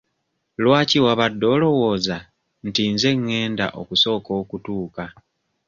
Lwaki wabadde olwowooza nti nze ngenda okusooka okutuuka?